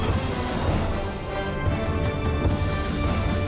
อย่าให้มันเหมือนรัฐบาลภักดิ์การเมืองสิครับ